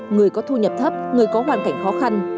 người có thu nhập thấp người có hoàn cảnh khó khăn